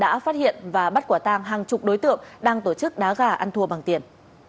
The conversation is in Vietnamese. đồng nai đã phát triển và bắt quả tàng hàng chục đối tượng đang tổ chức đá gà ăn thua bằng tiền